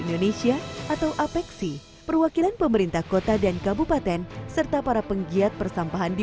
indonesia atau apeksi perwakilan pemerintah kota dan kabupaten serta para penggiat persampahan di